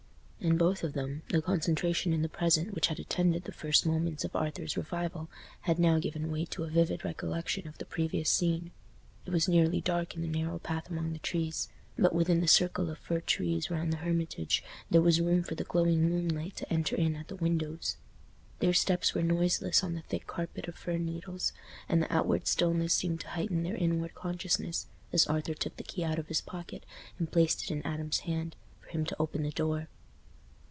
In both of them, the concentration in the present which had attended the first moments of Arthur's revival had now given way to a vivid recollection of the previous scene. It was nearly dark in the narrow path among the trees, but within the circle of fir trees round the Hermitage there was room for the growing moonlight to enter in at the windows. Their steps were noiseless on the thick carpet of fir needles, and the outward stillness seemed to heighten their inward consciousness, as Arthur took the key out of his pocket and placed it in Adam's hand, for him to open the door.